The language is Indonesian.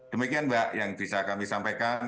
demikian mbak yang bisa kami sampaikan